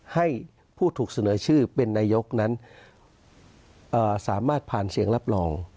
ให้ผู้ถูกเสนอชื่อเป็นนายกนั้นสามารถผ่านเสียงรับรอง